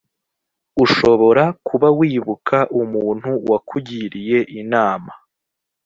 ushobora kuba wibuka umuntu wakugiriye inama